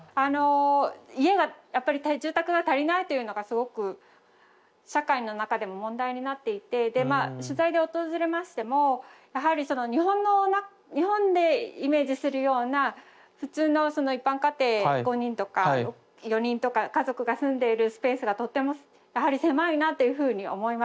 家がやっぱり住宅が足りないというのがすごく社会の中でも問題になっていてでまあ取材で訪れましてもやはり日本でイメージするような普通の一般家庭５人とか４人とか家族が住んでいるスペースがとってもやはり狭いなというふうに思います。